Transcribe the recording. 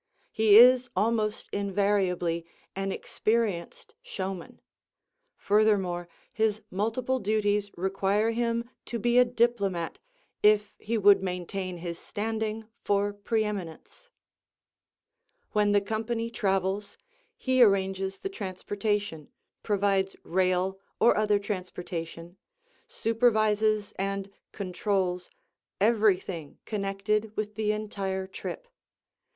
He is almost invariably an experienced showman. Furthermore, his multiple duties require him to be a diplomat if he would maintain his standing for preeminence. When the company travels, he arranges the transportation, provides rail or other transportation, supervises and controls everything connected with the entire trip.